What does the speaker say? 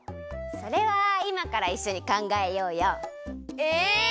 それはいまからいっしょにかんがえようよ。え！？